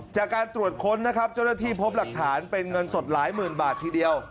จากการตรวจค้นนะครับเจ้าหน้าที่พบหลักฐานเป็นเงินสดหลายหมื่นบาททีเดียว